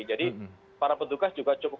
jadi para pendugas juga cukup